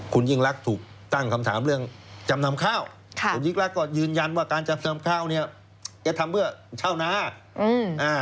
คุณยิ่งรักถูกตั้งคำถามเรื่องจำนำข้าวค่ะคุณยิ่งรักก็ยืนยันว่าการจำนำข้าวเนี่ยจะทำเพื่อชาวนาอืมอ่า